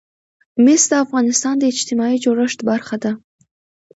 مس د افغانستان د اجتماعي جوړښت برخه ده.